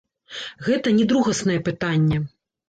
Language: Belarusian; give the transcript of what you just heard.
Гэта не другаснае пытанне.